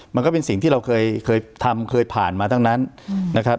มันก็เป็นสิ่งที่เราเคยทำเคยผ่านมาทั้งนั้นนะครับ